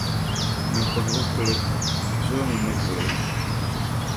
Nakɔha bi kuli, zoo ŋun ni kuli?